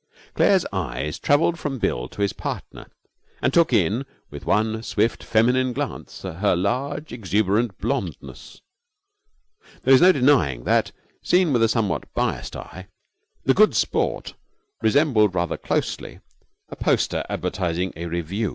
Claire's eyes travelled from Bill to his partner and took in with one swift feminine glance her large, exuberant blondeness. There is no denying that, seen with a somewhat biased eye, the Good Sport resembled rather closely a poster advertising a revue.